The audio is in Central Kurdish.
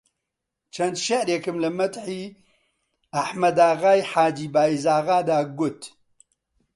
چەند شیعرێکم لە مەدحی ئەحمەداغای حاجی بایزاغادا گوت